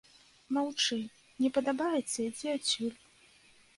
Маўчы, не падабаецца ідзі адсюль.